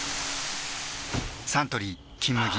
サントリー「金麦」